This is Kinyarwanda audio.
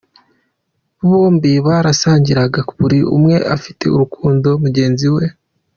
Bombi barasangiraga buri umwe afitiye urukundo mugenzi we.